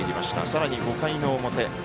さらに５回の表。